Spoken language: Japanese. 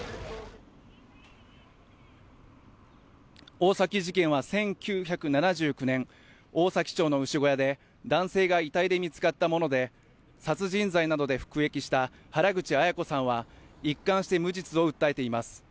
大崎事件は１９７９年大崎町の牛小屋で、男性が遺体で見つかったもので、殺人罪などで服役した原口アヤ子さんは、一貫して無実を訴えています。